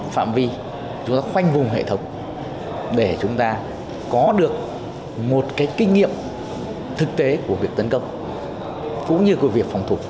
phạm vi chúng ta khoanh vùng hệ thống để chúng ta có được một cái kinh nghiệm thực tế của việc tấn công cũng như của việc phòng thủ